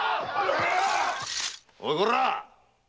おいコラッ！